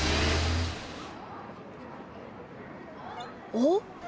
おっ！